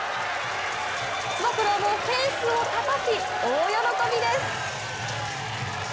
つば九郎もフェンスをたたき大喜びです。